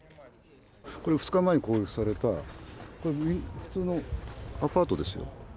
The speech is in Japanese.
これ、２日前に攻撃された、これ、普通のアパートですよ。